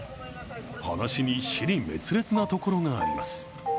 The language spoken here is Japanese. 話に支離滅裂なところがあります。